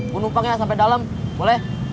gue numpang ya sampai dalem boleh